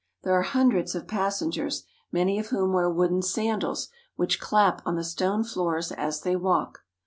There are hundreds of passengers, many of whom wear wooden sandals, which clap on the stone floors as they walk.